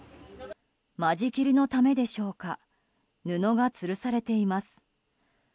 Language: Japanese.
間仕切りのためでしょうか布がつるされています。